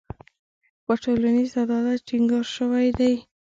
په ټولنیز عدالت ټینګار شوی دی.